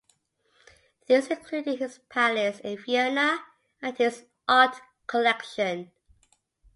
These included his palace in Vienna and his art collection.